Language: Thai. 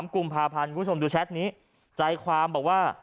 กุมภาพันธ์คุณผู้ชมดูแชทนี้ใจความบอกว่า